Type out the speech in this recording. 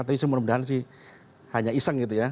tapi semoga moga sih hanya iseng gitu ya